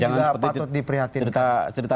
jangan seperti cerita silat saling balas dendam